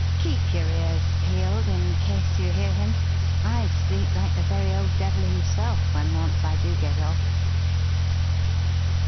Keep your ears peeled in case you hear him. I sleep like the very old devil himself, when once I do get off."